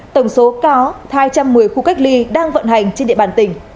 tổng số có hai trăm một mươi khu cách ly đang vận hành trên địa bàn tỉnh